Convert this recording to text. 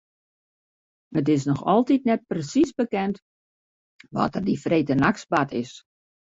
It is noch altyd net presiis bekend wat der dy freedtenachts bard is.